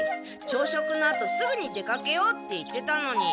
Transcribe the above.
朝食のあとすぐに出かけようって言ってたのに。